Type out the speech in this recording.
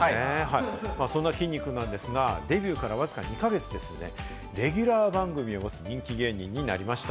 そんなきんに君んなんですが、デビューからわずか２か月でレギュラー番組を持つ人気芸人になりました。